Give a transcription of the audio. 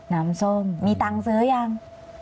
น้ำส้มมีตังค์ซื้อยัง